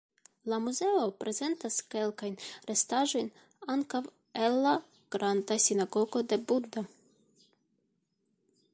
La muzeo prezentas kelkajn restaĵojn ankaŭ el la "granda sinagogo de Buda".